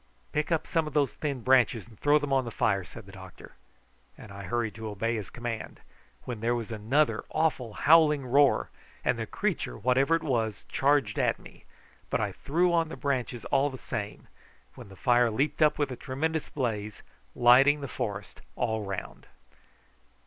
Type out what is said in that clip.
"Pick up some of those thin branches and throw them on the fire," said the doctor; and I hurried to obey his command, when there was another awful howling roar, and the creature, whatever it was, charged at me; but I threw on the branches all the same, when the fire leaped up with a tremendous blaze, lighting the forest all round.